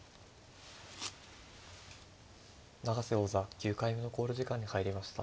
永瀬王座９回目の考慮時間に入りました。